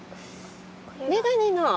眼鏡の。